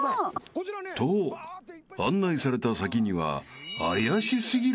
［と案内された先には怪し過ぎる］